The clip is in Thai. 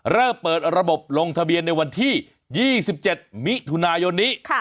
เริ่มเปิดระบบลงทะเบียนในวันที่๒๗มิถุนายนนี้